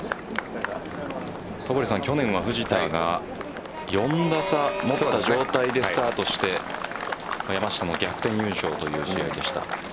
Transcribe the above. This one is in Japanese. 去年は藤田が４打差の状態でスタートして山下の逆転優勝というシーンでした。